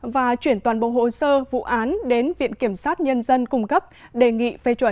và chuyển toàn bộ hồ sơ vụ án đến viện kiểm sát nhân dân cung cấp đề nghị phê chuẩn